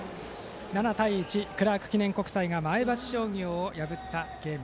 ７対１、クラーク記念国際が前橋商業を破ったゲーム。